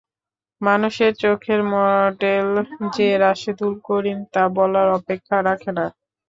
মানুষের চোখের মডেল যে রাশেদুল করিম তা বলার অপেক্ষা রাখে না।